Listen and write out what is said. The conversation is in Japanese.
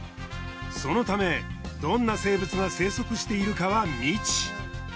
そのためどんな生物が生息しているかは未知。